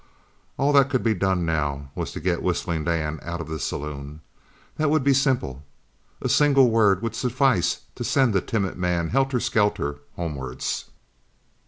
All that could be done now was to get Whistling Dan out of the saloon. That would be simple. A single word would suffice to send the timid man helter skelter homewards.